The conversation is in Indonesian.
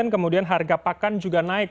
kemudian harga pakan juga naik